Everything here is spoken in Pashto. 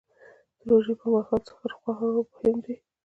د روژې پر مهال څښل خورا مهم دي